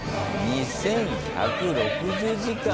２，１６０時間を。